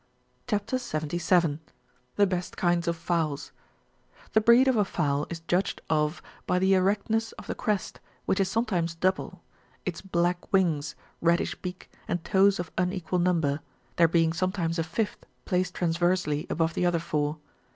CHAP. 77. (56.) — THE BEST ki:nt)s of fowls. The breed of a fowl is judged of by the erectness of the crest, which is sometimes double, its black wings, reddish beak, and toes of unequal number, there being sometimes a fifth placed transversely above the other four.